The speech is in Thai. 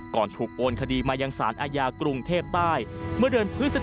ก่อนถูกโอนคดีมายังสารอาญากรุงเทพใต้เมื่อเดือนพฤศจิ